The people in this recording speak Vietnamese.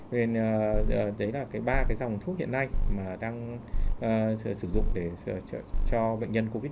nên đấy là ba cái dòng thuốc hiện nay mà đang sử dụng để cho bệnh nhân covid một mươi